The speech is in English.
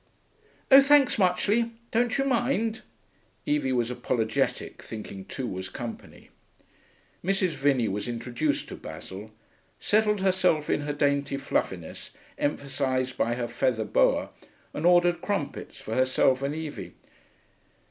'Oh, thanks muchly. Don't you mind?' Evie was apologetic, thinking two was company. Mrs. Vinney was introduced to Basil, settled herself in her dainty fluffiness, emphasised by her feather boa, and ordered crumpets for herself and Evie.